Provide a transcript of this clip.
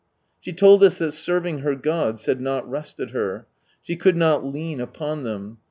She told us that serving her gods had not rested her. She could not " lean upon them."